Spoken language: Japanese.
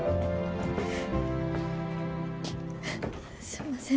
すんません